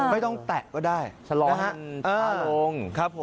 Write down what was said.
ไม่ต้องแตะก็ได้สล้อเล่นชะลง